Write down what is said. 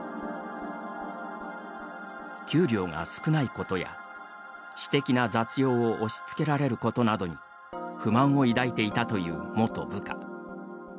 給料が少ないことや、私的な雑用を押しつけられることなどに不満を抱いていたという元部下。